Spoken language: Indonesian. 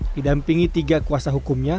didampingi tiga kuasa hukumnya